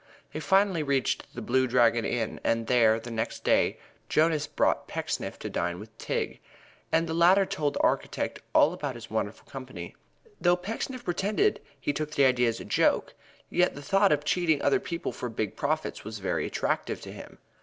They finally reached The Blue Dragon Inn, and there, the next day, Jonas brought Pecksniff to dine with Tigg, and the latter told the architect all about his wonderful company. Though Pecksniff pretended he took the idea as a joke, yet the thought of cheating other people for big profits was very attractive to him.